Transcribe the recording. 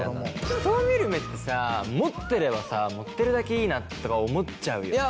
人を見る目ってさ持ってればさ持ってるだけいいなとか思っちゃうよね。